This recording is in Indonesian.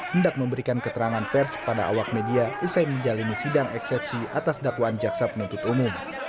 hendak memberikan keterangan pers kepada awak media usai menjalani sidang eksepsi atas dakwaan jaksa penuntut umum